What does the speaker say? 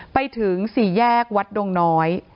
ไปถึงสี่แยกวัดดงน้อย